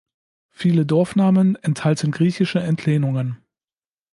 Viele Dorfnamen enthalten griechische Entlehnungen.